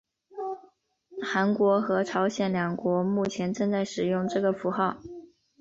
韩国和朝鲜两国目前正在使用这个符号。